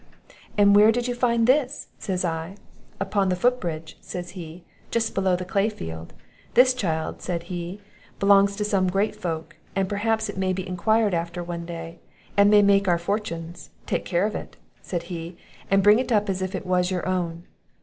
'And where did you find this?' says I. 'Upon the foot bridge,' says he, 'just below the clayfield. This child,' said he, 'belongs to some great folk, and perhaps it may be enquired after one day, and may make our fortunes; take care of it,' said he, 'and bring it up as if it was your own.